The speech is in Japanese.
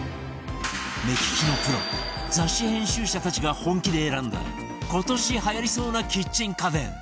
目利きのプロ雑誌編集者たちが本気で選んだ今年はやりそうなキッチン家電